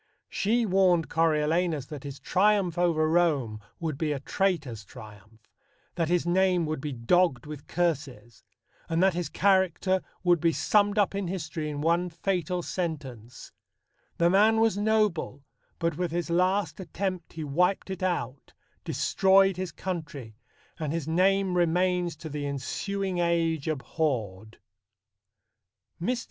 She warned Coriolanus that his triumph over Rome would be a traitor's triumph, that his name would be "dogg'd with curses," and that his character would be summed up in history in one fatal sentence: The man was noble, But with his last attempt he wiped it out, Destroyed his country, and his name remains To the ensuing age abhorr'd. Mr.